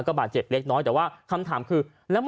ก็บาดเจ็บเล็กน้อยแต่ว่าคำถามคือ